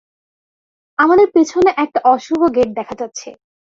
আমাদের পিছনে একটা অশুভ গেট দেখা যাচ্ছে।